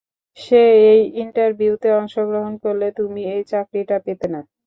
সে এই ইন্টারভিউতে অংশগ্রহণ করলে তুমি এই চাকরিটা পেতে না।